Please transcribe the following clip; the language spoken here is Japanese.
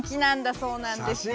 そうなんですよ。